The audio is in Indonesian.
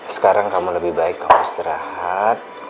sekarang kamu lebih baik kamu istirahat